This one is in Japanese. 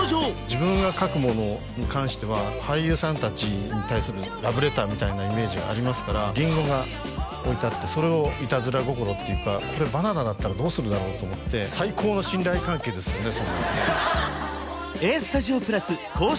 自分が書くものに関しては俳優さん達に対するラブレターみたいなイメージがありますからリンゴが置いてあってそれをイタズラ心っていうかこれバナナだったらどうするだろうと思って最高の信頼関係ですよね